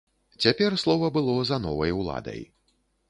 Цяпер слова было за новай уладай.